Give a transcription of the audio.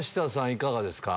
いかがですか？